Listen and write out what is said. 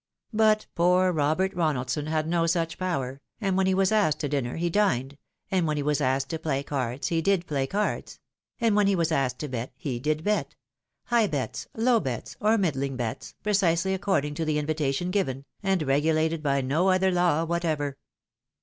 " But poor Robert Konaldson had no such power, and when he was asked to dinner, he dined; and when he was asked to play cards, he did play cards ; and when he was asked to bet, he did bet, — high bets, low bets, or middling bets, precisely according to the invitation given, and regulated by no other law whatever.